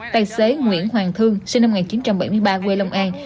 tài xế nguyễn hoàng thương sinh năm một nghìn chín trăm bảy mươi ba quê long an